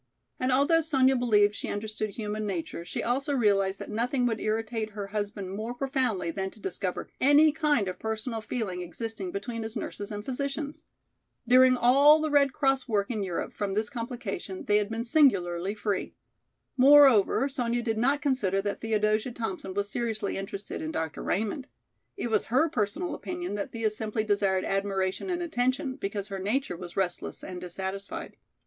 And although Sonya believed she understood human nature, she also realized that nothing would irritate her husband more profoundly than to discover any kind of personal feeling existing between his nurses and physicians. During all the Red Cross work in Europe from this complication they had been singularly free. Moreover, Sonya did not consider that Theodosia Thompson was seriously interested in Dr. Raymond. It was her personal opinion that Thea simply desired admiration and attention, because her nature was restless and dissatisfied.